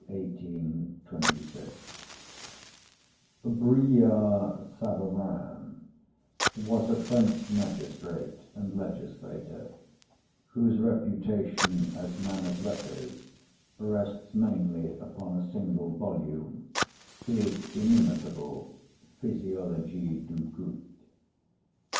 BRILLAT SAVARIN (1755 1826) Brillat Savarin was a French magistrate and legislator, whose reputation as man of letters rests mainly upon a single volume, his inimitable 'Physiologie du Goût'.